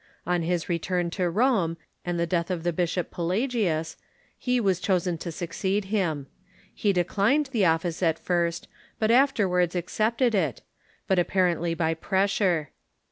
On his return to Rome, and the death of the bishop Pelagius, he was chosen to succeed him. He declined the office at first, but afterwards accepted it, but apparently by pressure.